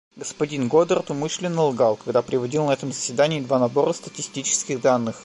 Господин Годард умышленно лгал, когда приводил на этом заседании два набора статистических данных.